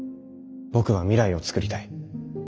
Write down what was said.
僕は未来を創りたい。